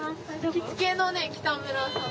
着付けのね北村さん。